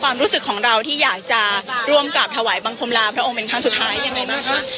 ความรู้สึกของเราที่อยากจะร่วมกลับถวายบังคมลาพระองค์เป็นครั้งสุดท้ายยังไงบ้างคะ